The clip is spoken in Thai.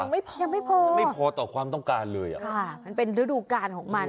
ยังไม่พอต่อความต้องการเลยอะค่ะมันเป็นฤดูกาลของมัน